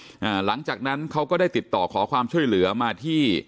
หลังจากนั้นเขาก็ได้ติดต่อขอความช่วยเหลือมาที่